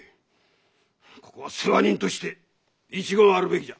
ここは世話人として一言あるべきじゃ。